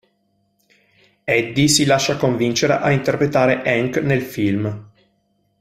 Eddie si lascia convincere a interpretare Hank nel film.